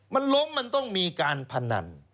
มันล้มมันต้องมีการพนัน